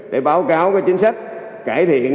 để báo cáo cái chính sách cải thiện